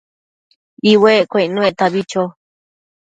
iuecquio icnuectabi cho